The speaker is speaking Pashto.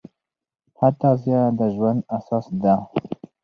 ښه تغذیه د ژوند اساس ده.